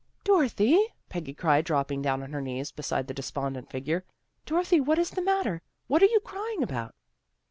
" Dorothy! " Peggy cried, dropping down on her knees beside the despondent figure. " Dorothy, what is the matter? What are you crying about?